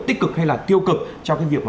tích cực hay là tiêu cực trong cái việc